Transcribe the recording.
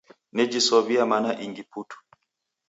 Nejisow'ia mana ingi putu.